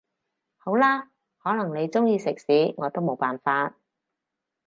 好啦，可能你鍾意食屎我都冇辦法